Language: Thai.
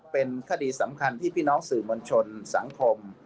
เป็นคดีสำคัญที่พี่น้องสื่อมวลชนสังคม